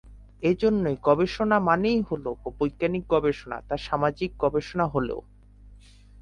এজন্যই গবেষণা মানেই হলো বৈজ্ঞানিক গবেষণা, তা সামাজিক গবেষণা হলেও।